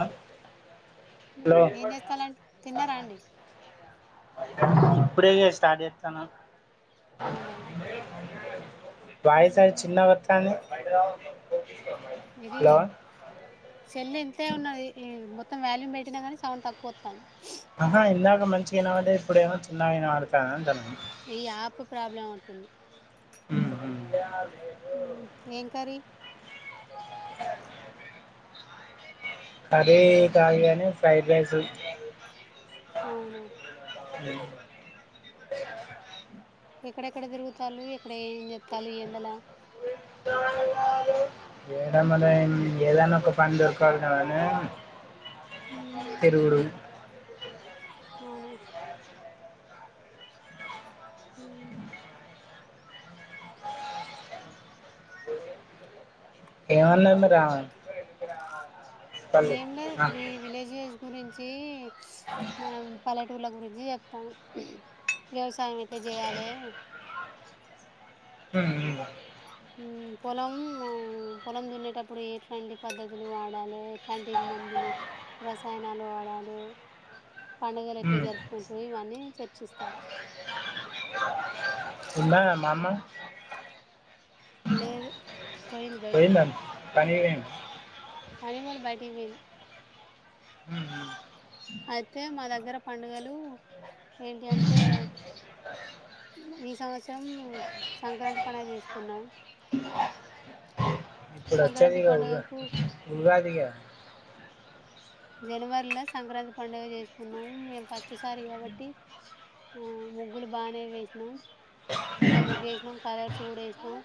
బ [inaudible] ఏం చేస్తాల్లండి తిన్నారా అండి [inaudible] ఇప్పుడే స్టార్ట్ చేస్తాను అవునా వాయిస్ ఉమ్, చిన్నగా వత్తంది ఇది సెల్లు ఇంతే ఉన్నది ఈ మొ మొత్తం వాల్యూమ్ పెట్టినా కాని సౌండ్ తక్కువ వస్తాది ఆహా ఇందాక మంచిగా వినబడ్డది ఇప్పుడు ఏమో చిన్నగా వినబడతాంది అని ఈ యాప్ ప్రాబ్లం ఉంటుంది ఉహూ ఉమ్ ఏం కర్రీ కర్రీ కాదుగానీ ఫ్రైడ్ రైస్ అవును ఇ [inaudible] ఎక్కడెక్కడ తిరుగుతారు ఎక్కడ ఏం చేత్తల్లు ఈ ఎండలో ఏడ మరీ ఏదైనా ఒక పని దొరకదు కాదనే ఉమ్, తిరుగుడు అవును ఉమ్, ఏమన్నారూ మీ రావ ఏం లేదు విలేజ్ గురించి మన పల్లెటూరు గురి వ్యవసాయం ఎట్లా చేయాలే ఉమ్ ఉమ్ పొలం పొలం దున్నేటప్పుడు ఎట్లాంటి పద్ధతులు వాడాలే ఎట్లాంటి మందులు రసాయనాలు వాడాలే పండుగలు ఎట్లా ఉమ్. జరుపుకుంటారు ఇవన్నీ చర్చిస్తారు ఉన్నారా మామ లేదు పోయింది బయటికి పనికి పోయిందా పనికి పోలే బయటకి పోయింది ఉమ్ అయితే మన దగ్గర పండుగలు ఏంటి అంటే ఈ సంవత్సరం సంక్రాంతి పండగ తీసుకున్నాం ఇప్పుడు వచ్చేదిక ఉగా ఉగాదిగా జనవరిలో సంక్రాంతి పండుగ చేసుకున్నాము మేము ఫస్ట్సారి కాబట్టి ముగ్గులు బాగా వేసినాం పెద్ద ముగ్గు వేసినాం కలర్స్ కూడా వేసినాం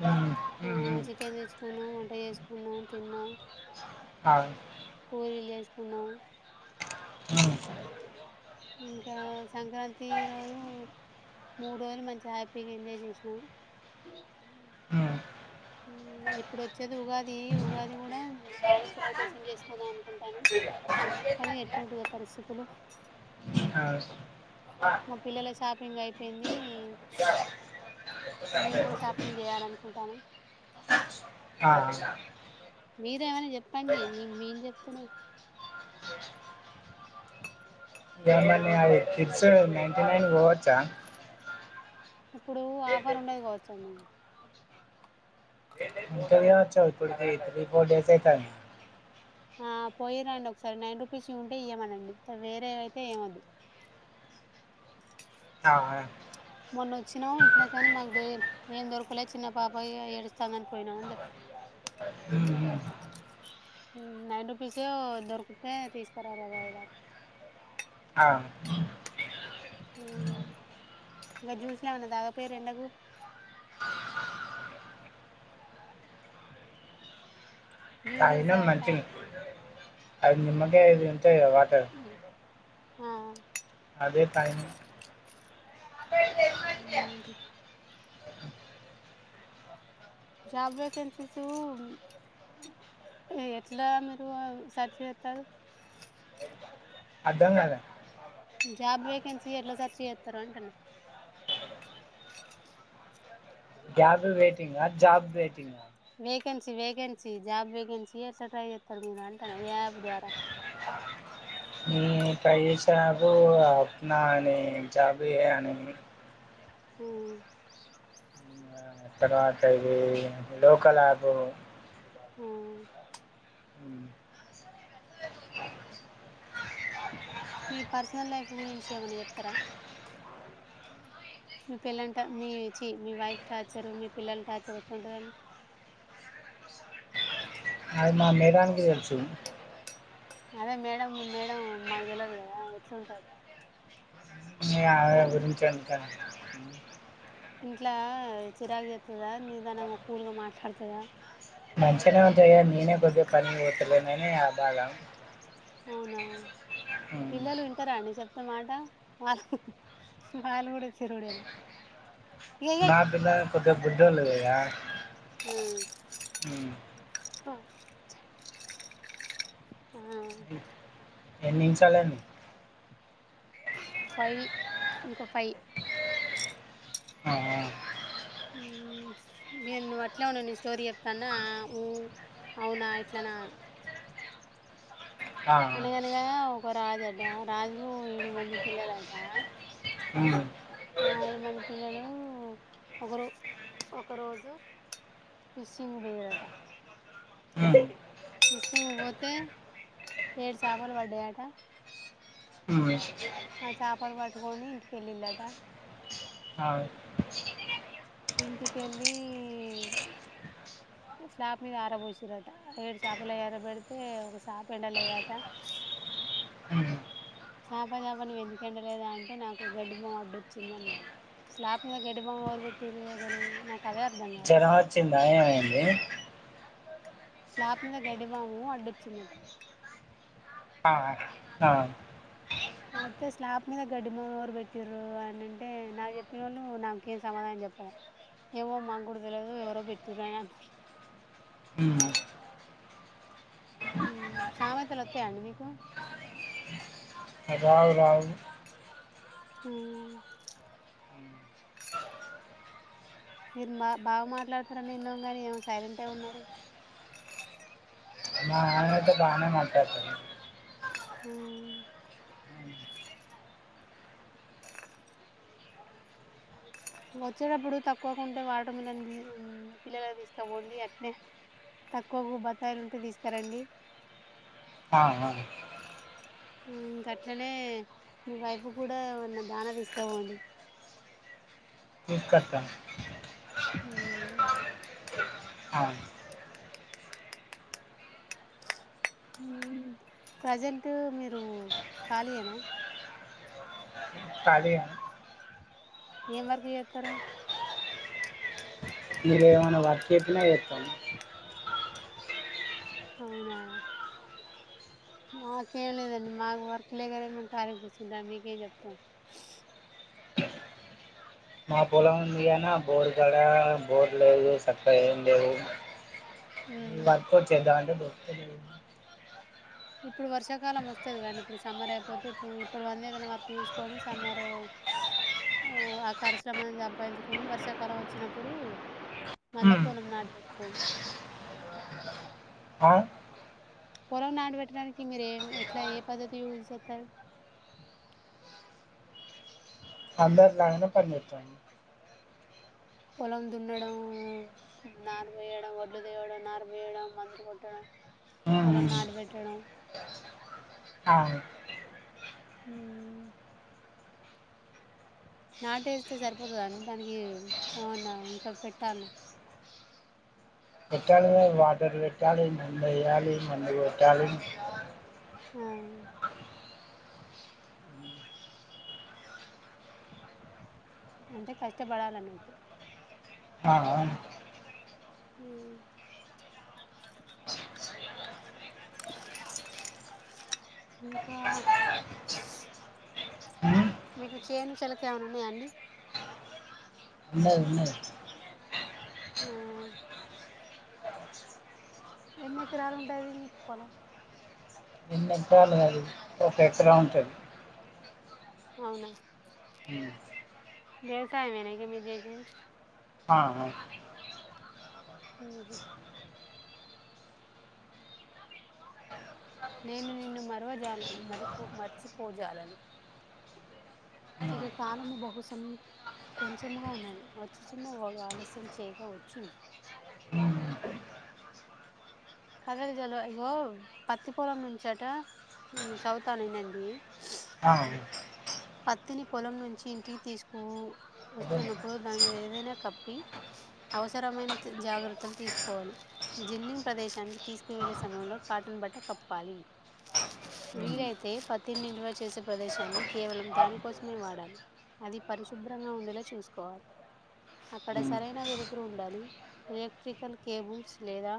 ఏమన్నా చికెన్ తెచ్చుకున్నాం వంట చేసుకున్నాం తిన్నాం అవు పూరీ లేస్కున్నాం ఇంకా సంక్రాంతి రోజు మూడు రోజులు మంచిగా హ్యాపీగా ఎంజాయ్ చేసినాము ఎప్పుడు వచ్చేది ఉగాది ఉగాది కూడా బాగా సెలబ్రేషన్ చేసుకుంటాం అనుకుంటాను అది ఎట్టుంటయో పరిస్థితులు మా పిల్లల షాపింగ్ అయిపోయింది మేము కూడా షాపింగ్ చేయాలనుకుంటాము అ మీరేమైనా చెప్పండి న మీం చెప్తేనే ఏమని అది ఫిర్చ నైన్టీ నైన్ పోవచ్చా ఇప్పుడు ఆఫర్ ఉండేది కావచ్చ అండి ఇంతయా చౌ ఈ త్రీ ఫోర్ డేసే కానీ ఆ పోయిరండి ఒకసారి నైన్ రూపీస్ ఉంటే ఇయ్వమనండి వేరే అయితే ఏమొద్దు అ మొన్న వచ్చినావు ఇట్లా కాని మాకు ద ఏం దొరకలే చిన్న పాప ఏడుస్తాందని పోయినావు అని చెప్ హ్మ్ నైన్ రూపీస్ దొరికితే తీస్తార బాబాయి ఇగ అ ఇంకా జ్యూస్లు ఏమన్నా దాగపోయరు ఎండకు జ్యూసెస్ అయిన తాగుతా మంచినీ అది నిమ్మకాయ ఇది తో వాటర్ ఆ అదే టైం జాబ్ వేకెన్సీస్ ఎట్లా మీరు సర్చ్ చేస్తారు అర్థం కాలా జాబ్ వేకెన్సీ ఎట్లా సర్చ్ చేస్తారు అంటన్న job waiting job waiting vacancy vacancy job vacancy ఎట్లా ట్రై చేస్తారు మీరు అంటనా ఏ యాప్ ద్వారా మ్ ట్రైచెస్ట జాబు అప్నాని జాబు ఏ అని మ్ ఆ, తర్వాత ఇ లోకల్ యాప్ మ్ మీ పర్సనల్ లైఫ్ గురించి ఏమైనా చెప్తారా మీ పెల్లంట మీ చ మీ వైఫ్ టార్చరు మీ పిల్లల టార్చర్ ఎట్లుంటదండి అది మా మేడమ్ కి తెలుసు అదే మేడం మీ మేడం మాకు తెలియదు కదా ఎట్లుంటది మీ ఆవిడ మరి గురించి ఎంత మ్ ఇంట్లా చిరాకు చెప్తుందా నిదానంగా కూలుగా మాట్లాడుతదా మంచి గానే ఉంటది నేనే కొద్దిగా పని పోతులేననే ఆ బాధ అవునా ఉమ్. పిల్లలు వింటారా అండి చెప్త టమాట వాల్ వాళ్ళు కూడ చరుడే నా పిల్ల కొద్దిగ బుడ్డోళ్లు కదా ఉమ్. పా హా ఎన్నించాలనిీ ఫైవ్ ఇంకో ఫైవ్ ఆ నేరు నువ్ అట్లా ఉన్నా నీ స్టోరీ చెప్తాన్నా ఆ అవునా ఇట్లానా అను ఆ, ఆ. అనగనగా ఒక రాజు అట రాజుకు ఏడు మంది పిల్లలట ఉమ్, ఏడు మంది పిల్లలు ఒకరో ఒకరోజు ఫిషింగ్ వేయరట ఉమ్, ఇమ పోతే ఏడు చేపలు పడ్డాయట ఉమ్, ఆ చేాపలు పట్టుకొని ఇంటికెళ్ళిళ్ళట ఆ, ఇంటిక వెళ్ళి స్లాప్ మీద ఆరబోసిారట ఏడు చేాపల ఎరబెడితే ఒక షాప ఎండలేదట ఉమ్. చప చేాప ఎందుకుెండలేదా అంటే నాకు గడ్డి బొమ్మ అడ్డుొచ్చింది అన్నాడు స్లాబ్ మీద గడ్డి బొమ్మ ఎవరు పెట్టటిారు అసలు నాకు అదే అర్థం కాలే జరమాచ్చిందా ఏమైంది స్లాప్ మీద గడ్డివాము అడ్డుొచ్చిందట ఆ ఆ అయితే స్లాబ్ మీద గడ్డి వాము మీద ఎవరు పెట్ట్రు అని అంటే నాకు చెప్పిన వాళ్ళు నాకేం సమాధానం చెప్పాలి ఏమో మా కూడాడు తెలియదు ఎవరో పెట్టి్ర అని అన్నారు ఉమ్. సామెతలు వస్తాయంండి మీకు రావు రావు హ్మ్మ్ మీరు బా బాగా మాట్లాడతారండి ఎన్నోం కానీ ఏం సైలెంట్ ఏ ఉన్నారు దనియితో బాగానే మాట్లాడుతు హ వచ్చేటప్పుడు తక్కువగా ఉంటే వాటర్ మిలన్ పిల్లల తీసుకుపోండి అట్నే తక్కువ బత్తాయిలు ఉంటే తీసుకురండి ఆ ఇంక అట్లనే మీ వైపు కూడా ఉన్న దానావి ఇస్తావ అండి ఇకట్టా అ ఆవును ప్రజెంట్ మీరు ఖాళీ ఏనా కాలి ఆ ఏం వర్క్ చేస్తారు మీరుే ఏమైనా వర్క్ చేప్పిన చేస్తాం అవునా మాకేం లేదండి మాకు వర్క్ లేగానే మేము కలిగ కూర్స్తుుంటాం మీకేం చెప్తాం మా పొలం ఉంది అనా బోర్ కడ బోర్ లేదు సక్కగా ఏం లేదు ఉమ్ వర్క్ వచ్చేద్దా అంటే తె ఇప్పుడు వర్షాకాలం వస్తదికాండి ఇప్పుడు సమ్మర్ అయిపోతే ఇప్పుడు ఇప్పుడు మందం ఏదైనా వర్క్ చూసుకొని సమ్మర్ ఆ కార్యశ్రమాన్ని సంపాదించుకొని వర్షాకాలం వచ్చినప్పుడు మళ్ళా ఉమ్ పొలం నాటిబెట్టుకొని ఆ పొలం నాడుబెట్టడానికి మీరు ఏ ఎట్లా ఏ పద్ధతి యూస్ చేస్తారు అందరిలాగానేన పనిచెత్తం పొలం దున్నడం నార్బైయేడం వడ్లు తేయడం నార్భై వేడం మందులు కొట్టడం పొలం నాటు పెెట్టడం ఆ, అ నాటేస్తే సరిపోతుంది అని దానికి అవునా ఇంకా పెట్టాల పెట్టాలి వాటర్ పెట్టాలి మందు వేయాలి మందు కొట్టాలి ఆ అంటే కష్టపడాలన్నట్టు ఆ ఊమ్ ఇంకా ఉమ్, మీకు చేను చెలకలు ఏమనా ఉన్నాయాండి ఉన్నయ్ ఉన్నయ్ ఆ ఎన్ని ఎకరాలు ఉంటది మీకు పొలం మంచిర్యాల లోనే ఒక ఎక్రా ఉంటది. అవునా ఉమ్, వ్యవసాయం ఏన ఇక మీరు చేసెది. ఆ ఆ ఊహు నేను నిన్ను మరవజాలను మరి పో మర్చిపోజాలను ఆ. ఇక కాలము బహు సమయు కొంచెముగా ఉన్నది వచ్చుచన్న వాడు ఆలస్యం చేయకవచ్చును. ఉమ్, కదలి జలు యిగో పత్తిపొలం నుంచట నేను చవుతాను వినండి అవును [inaudible] పత్తిని పొలం నుంచి ఇంటికి తీసుకు అదే. వస్తున్నప్పుడు దాని మీద ఏదైనా కప్పి అవసరమైన జాగ్రత్తలు తీసుకోవాలి. జిన్నింగ్ ప్రదేశానికి తీసుకువెళ్ళే సమయంలో కాటన్ బట్ట కప్పాలి, ఉమ్, వీలైతే పత్తిని నిల్వ చేసే ప్రదేశాన్ని కేవలం దానికోసమే వాడాలి. అది పరిశుభ్రంగా ఉండేలా చూసుకోవాలి అక్కడ ఉమ్, సరైన వెలుతురు ఉండాలి ఎలక్ట్రికల్ కేబుల్స్ లేదా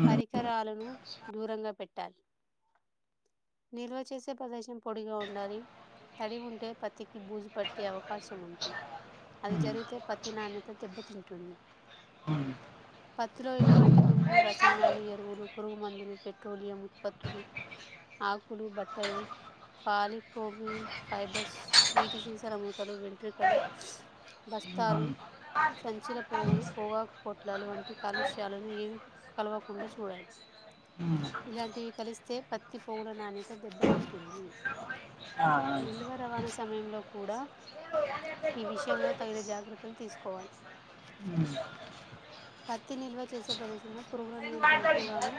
ఉమ్. పరికరాలను దూరంగా పెట్టాలి. నిల్వ చేసే ప్రదేశం పొడిగా ఉన్ ఉండాలి తడి ఉంటే పత్తికి బూజు పట్టే అవకాశం ఉంటుంది. అది జరిగితే పత్తి నాణ్యత దెబ్బతింటుంది. పత్తిలో ఎటువంటి దుమ్ము రసాయనాలు, ఎరువులు, పురుగు మందులు, పెట్రోలియం ఉత్పత్తులు, ఆకులు, బట్టలు పాలి పోమి ఫైబర్స్ నీటి సీసల మూతలు, వెంట్రకలు, బస్తాలు సంచిల పోగులు, పగాకుపోట్లాలు, వంటి కాలుష్యాలను ఏవి కలవకుండా చూడాలి. ఇలాంటివి కలిస్తే పత్తి పువ్వుల నాణ్యత దెబ్బతింటుంది [inaudible] డలివర్ అవనస్ సమయంలో కూడా ఈ విషయంలో తగిన జాగ్రత్తలు తీసుకోవాలి పత్తి నిల్వ చేసే ప్రదేశంలో పురుగుల నియంత్రణకుగాను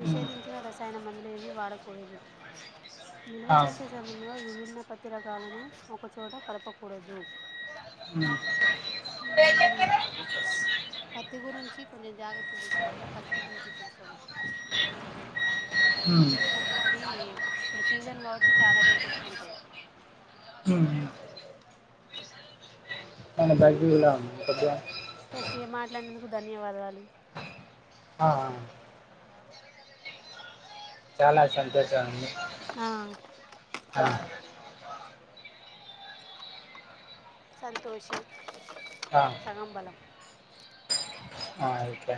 నిషేధించిన రసాయన మందులు ఏవి వాడకూడదు. నిల్వ చేస్ విభిన్న పత్తి రకాలను ఒకచోట కలపకూడదు ఊమ్ పత్తి గురించి కొంచెం జాగ్రత్త తీసుకోవాలి పత్తి తోటి కొంచెం ఎందుకంటే అది ఇప్పుడు సీజన్ కాబట్టి చాలా రేట్ ఎక్కువ ఉంటది అవును బాకి గూడ ఉంది కొద్దిగా [inaudible] ఓకే మాట్లాడినందుకు ధన్యవాదాలు ఆ ఆ చాలా సంతోషం అండి ఆ ఆ సంతోషం సగం బలం ఆ ఓకే